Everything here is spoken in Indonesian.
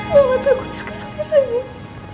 mama takut sekali sayang